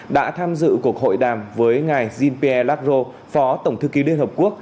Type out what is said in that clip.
đã tham dự cuộc hội đàm với ngài jean pierre lacroix phó tổng thư ký liên hợp quốc